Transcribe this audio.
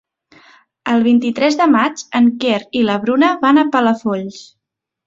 El vint-i-tres de maig en Quer i na Bruna van a Palafolls.